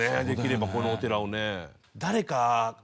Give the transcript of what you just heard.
できればこのお寺をね。